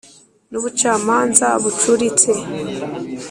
n’ubucamanza bucuritse